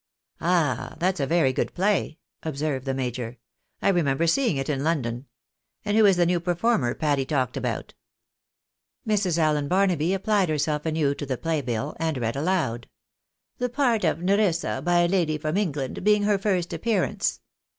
"Ah! that's a very good play," observed the major; "I remember seeing it in London. And who is the new performer Patty talked about ?" Mrs. Allen Barnaby applied herself anew to the play bill, and read aloud, "The part of Nerissa by a lady from England, being her first appearance."